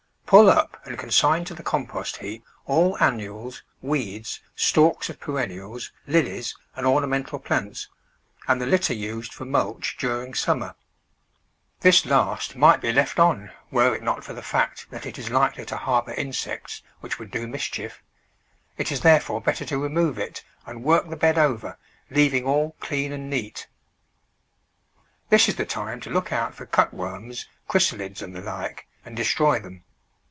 Pull up and consign to the compost heap all an nuals, weeds, stalks of perennials, Lilies, and orna mental plants, and the litter used for mulch during summer. This last might be left on were it not for the fact that it is likely to harbour insects which would do mischief. It is therefore better to remove it and work the bed over, leaving all clean and neat. This is the time to look out for cutworms, chrysaHds, and the like, and destroy them.